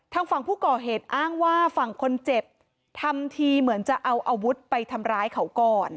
ทางฝั่งผู้ก่อเหตุอ้างว่าฝั่งคนเจ็บทำทีเหมือนจะเอาอาวุธไปทำร้ายเขาก่อน